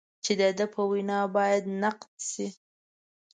چې د ده په وینا باید نقد شي.